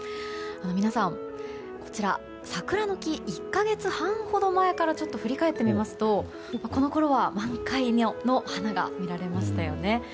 皆さん、桜の木１か月半ほど前からちょっと振り返ってみますとこのころは満開の花が見られましたよね。